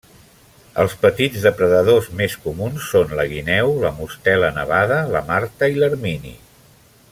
Els petits depredadors més comuns són la guineu, la mostela nevada, la marta i l'ermini.